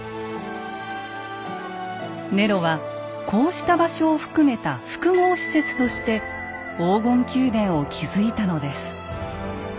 ネロはこうした場所を含めた複合施設として黄金宮殿を築いたのです。